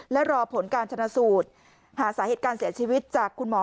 และรอผลการชนะสูตรหาสาเหตุการเสียชีวิตจากคุณหมอ